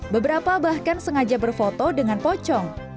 beberapa bahkan sengaja berfoto dengan pocong